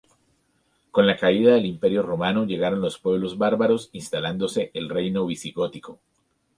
Con la caída del imperio romano, llegaron los pueblos bárbaros instalándose el reino visigótico.